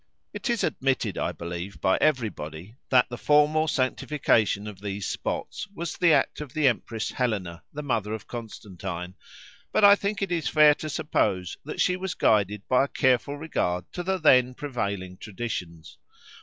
It is admitted, I believe, by everybody that the formal sanctification of these spots was the act of the Empress Helena, the mother of Constantine, but I think it is fair to suppose that she was guided by a careful regard to the then prevailing traditions.